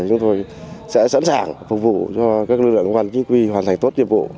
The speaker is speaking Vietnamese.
chúng tôi sẽ sẵn sàng phục vụ cho các lực lượng công văn chính quy hoàn thành tốt nhiệm vụ